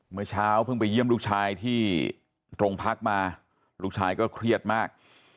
เมื่อเช้าเพิ่งไปเยี่ยมลูกชายที่โรงพักมาลูกชายก็เครียดมาก